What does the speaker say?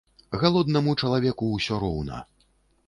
Галоднаму чалавеку ўсё роўна.